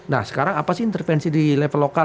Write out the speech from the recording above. nah sekarang apa sih intervensi di level lokal